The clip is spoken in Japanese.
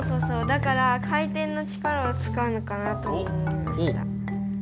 だから回転の力をつかうのかなと思いました。